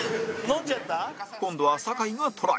今度は酒井がトライ